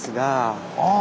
ああ